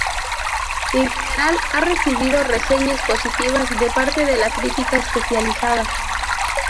En general ha recibido reseñas positivas de parte de la crítica especializada.